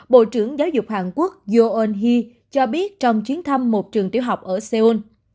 bộ trưởng giáo dục hàn quốc joo on hee cho biết trong chuyến thăm một trường tiểu học ở seoul